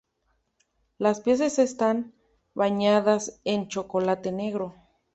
Las piezas están bañadas en chocolate negro.